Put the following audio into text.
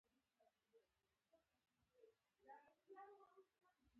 د عمرو خلیج لرو په منځ کې.